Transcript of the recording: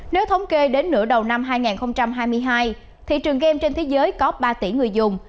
nếu thống kê đến nửa đầu năm hai nghìn hai mươi hai thị trường game trên thế giới có ba tỷ người dùng